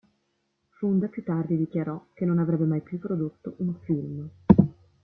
Fonda più tardi dichiarò che non avrebbe mai più prodotto un film.